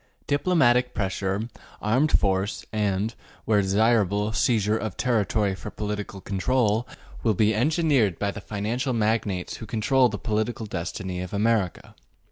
Diplomatic pressure, armed force, and, where desirable, seizure of territory for political control, will be engineered by the financial magnates who control the political destiny of America.